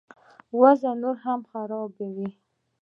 وضع نوره هم خرابوي.